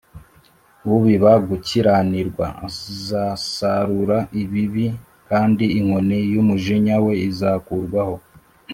Ubiba gukiranirwa azasarura ibibi n kandi inkoni y umujinya we izakurwaho